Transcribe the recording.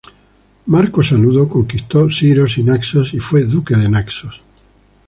Marco Sanudo conquistó Siros y Naxos y fue duque de Naxos.